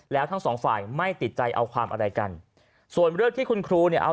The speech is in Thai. แล้วทั้งสองฝ่ายไม่ติดใจเอาความอะไรกันส่วนเรื่องที่คุณครูเนี่ยเอา